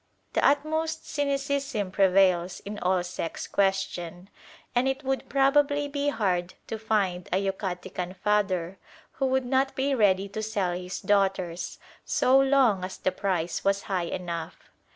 The utmost cynicism prevails in all sex questions, and it would probably be hard to find a Yucatecan father who would not be ready to sell his daughters, so long as the price was high enough.